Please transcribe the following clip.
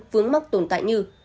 vướng mắc tồn tại như